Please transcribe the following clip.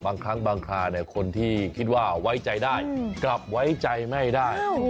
บางครั้งบางคราคนที่คิดว่าไว้ใจได้กลับไว้ใจไม่ได้